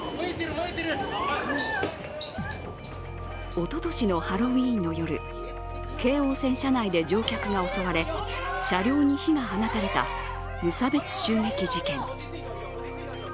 おととしのハロウィーンの夜、京王線車内で乗客が襲われ車両に火が放たれた無差別襲撃事件。